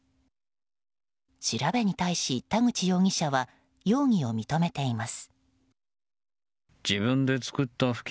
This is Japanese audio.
調べに対し田口容疑者は容疑を認めています。